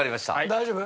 大丈夫？